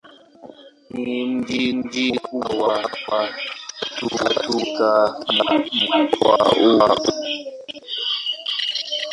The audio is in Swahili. Ni mji mkubwa wa tatu katika mkoa huu.